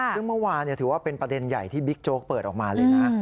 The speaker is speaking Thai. ซึ่งเมื่อวานถือว่าเป็นประเด็นใหญ่ที่บิ๊กโจ๊กเปิดออกมาเลยนะ